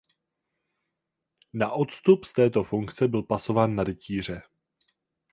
Na odstup z této funkce byl pasován na rytíře.